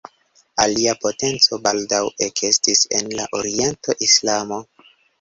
Alia potenco baldaŭ ekestis en la oriento: Islamo.